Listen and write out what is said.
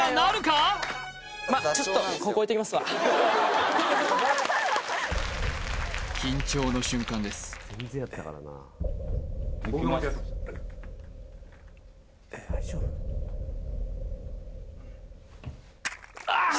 あちょっと緊張の瞬間ですえっあっ！